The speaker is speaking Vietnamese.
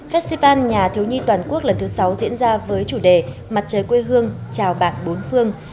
festival nhà thiếu nhi toàn quốc lần thứ sáu diễn ra với chủ đề mặt trời quê hương trào bản bốn phương